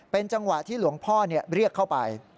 เป็นจังหวะที่หลวงพ่อเรียกเข้าไป